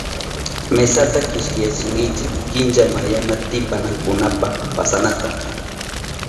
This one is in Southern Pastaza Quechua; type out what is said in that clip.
Mesata kichkiyachinki kincha mayanmaatipanankunapa pasanata.